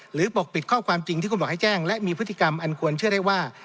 ปกปิดข้อความจริงที่คุณบอกให้แจ้งและมีพฤติกรรมอันควรเชื่อได้ว่า